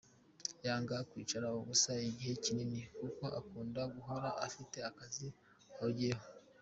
Yanga kwicara ubusa igihe kinini kuko akunda guhora afite akazi ahugiyeho.